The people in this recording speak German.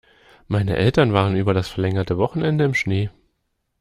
Meine Eltern waren über das verlängerte Wochenende im Schnee.